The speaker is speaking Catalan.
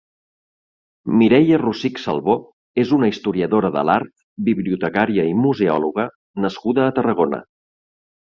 Mireia Rosich Salvó és una historiadora de l'art, bibliotecària i museòloga nascuda a Tarragona.